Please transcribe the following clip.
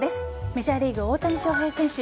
メジャーリーグ大谷翔平選手